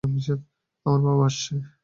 আমার বাবা আসছে!